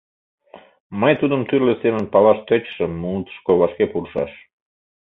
Мый тудым тӱрлӧ семын палаш тӧчышым, мутышко вашке пурышаш.